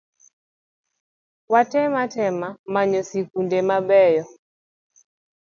Watem atema manyo sikunde mabeyo